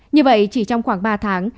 như vậy chỉ trong khoảng ba tháng